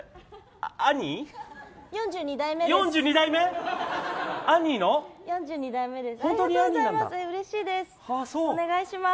ありがとうございます！